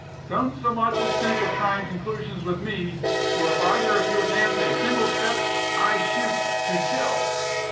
Don't so much as think of trying conclusions with me; for if either of you advance a single step, I shoot to kill!